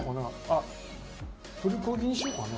あっプルコギにしようかな。